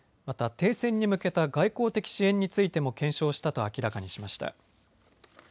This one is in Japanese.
また停戦に向けた外交的支援についても検証したと明らかにしました。